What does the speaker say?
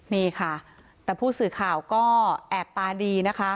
นี่ค่ะแต่ผู้สื่อข่าวก็แอบตาดีนะคะ